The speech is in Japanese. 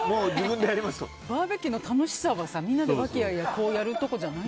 バーベキューの楽しさはみんなで和気あいあいやることじゃないの？